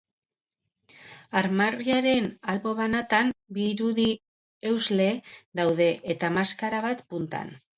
Armarriaren albo banatan, bi irudi-eusle daude, eta maskara bat puntan.